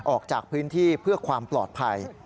ออกจากพื้นที่เพื่อความปลอดภัย